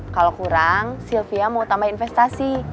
kalau kurang sylvia mau tambah investasi